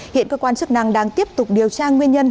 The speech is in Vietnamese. hiện cơ quan chức năng đang tiếp tục điều tra nguyên nhân